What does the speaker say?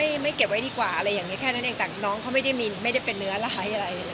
เราก็ไม่ให้ทำเก็บไว้ดีกว่าอะไรอย่างเนี้ยแค่นั้นเองแต่น้องเค้าไม่ได้มีไม่ได้เป็นเนื้อหลายอะไรอย่างนี้